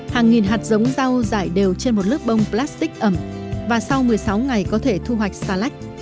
hàng nghìn hạt giống rau dải đều trên một lớp bông plastic ẩm và sau một mươi sáu ngày có thể thu hoạch xà lách